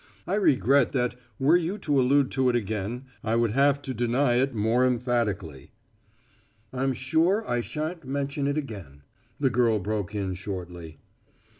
I regret that were you to allude to it again I would have to deny it still more emphatically." "I'm sure I shan't mention it again," the girl broke in shortly.